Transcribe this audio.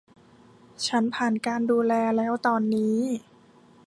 ฉันผ่านการดูแลแล้วตอนนี้